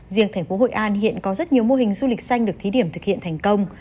riêng thành phố hội an hiện có rất nhiều mô hình du lịch xanh được thí điểm thực hiện thành công